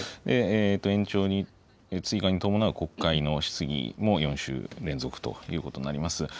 延長に、追加に伴う国会の質疑も４週連続ということになります。